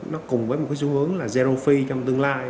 nó cùng với một cái xu hướng là zero fee trong tương lai